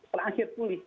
paling akhir pulih